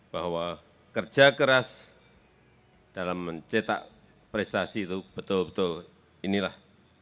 bahwa kerja keras dalam mencetak prestasi itu betul betul inilah